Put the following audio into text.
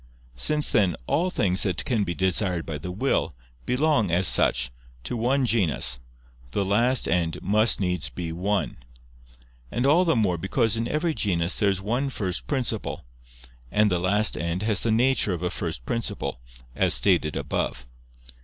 Since, then, all things that can be desired by the will, belong, as such, to one genus, the last end must needs be one. And all the more because in every genus there is one first principle; and the last end has the nature of a first principle, as stated above.